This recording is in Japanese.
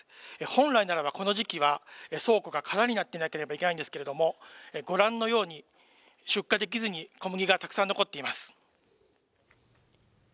本来ならばこの時期は倉庫が空になってなければいけないんですけれども、ご覧のように、出荷できずに小麦がたくさん残っています。